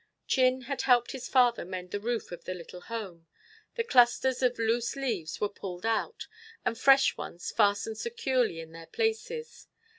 Chin had helped his father mend the roof of the little home. The clusters of loose leaves were pulled out, and fresh ones fastened securely in their places.